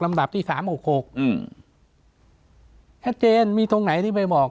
ดับที่สามหกหกอืมชัดเจนมีตรงไหนที่ไปบอก